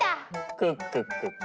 クックックク。